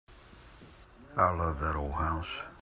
I love that old house.